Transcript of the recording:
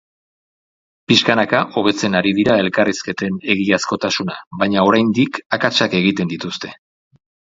Pixkanaka hobetzen ari dira elkarrizketen egiazkotasuna, baina oraindik akatsak egiten dituzte.